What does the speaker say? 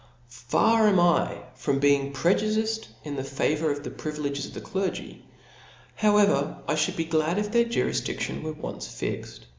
Far am I from being prejudiced in favour of the privileges of the clergy , however, I fliould be glad their jurifdidion were once fixed.